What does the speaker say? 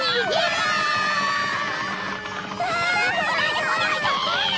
こないでこないで！